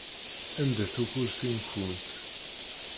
Anda-t ukursi-nkent?